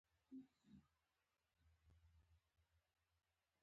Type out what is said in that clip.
غالۍ د خاورو جذب کوونکې وي.